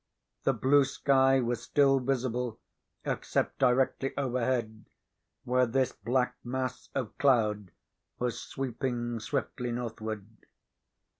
The blue sky was still visible, except directly overhead, where this black mass of cloud was sweeping swiftly northward.